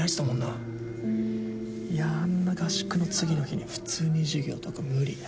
いやあんな合宿の次の日に普通に授業とか無理。